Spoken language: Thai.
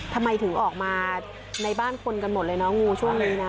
ทำไมถึงออกมาในบ้านคนกันหมดเลยน้องงูช่วงนี้นะ